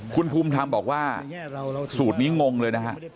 คุณภูมิธรรมบอกว่าสูตรนี้งงเลยนะฮะ